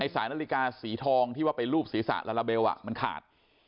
สายนาฬิกาสีทองที่ว่าไปรูปศีรษะลาลาเบลมันขาด